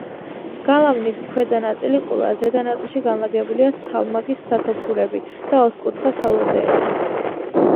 გალავნის ქვედა ნაწილი ყრუა, ზედა ნაწილში განლაგებულია ცალმაგი სათოფურები და ოთხკუთხა სალოდეები.